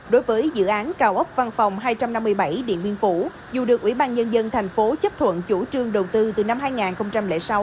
đối với dự án cao ốc văn phòng hai trăm năm mươi bảy điện biên phủ dù được ủy ban nhân dân thành phố chấp thuận chủ trương đầu tư từ năm hai nghìn sáu